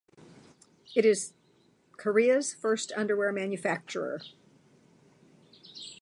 It is Korea's first underwear manufacturer.